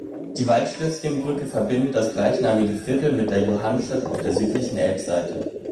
Die Waldschlößchenbrücke verbindet das gleichnamige Viertel mit der Johannstadt auf der südlichen Elbseite.